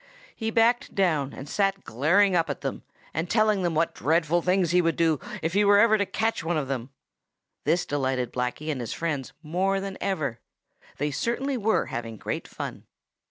He backed down and sat glaring up at them and telling them what dreadful things he would do to them if ever he should catch one of them. This delighted Blacky and his friends more than ever. They certainly were having great fun.